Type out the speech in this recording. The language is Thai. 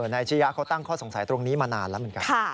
นายชียะเขาตั้งข้อสงสัยตรงนี้มานานแล้วเหมือนกัน